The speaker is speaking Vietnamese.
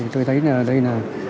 tôi thấy là đây là